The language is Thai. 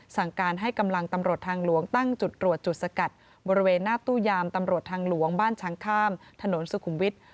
สั่งการให้กำลังตำรวจทางหลวงตั้งจุดตรวจจุดสกัดบริเวณหน้าตู้ยามตำรวจทางหลวงบ้านช้างข้ามถนนสุขุมวิทย์